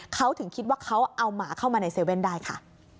เขาถึงคิดว่าเขาเอาหมาเข้ามาใน๗๑๑ได้ค่ะ